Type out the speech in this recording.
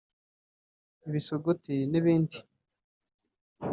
ibisuguti n’ibindi